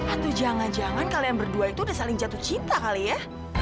aduh jangan jangan kalian berdua itu udah saling jatuh cinta kali ya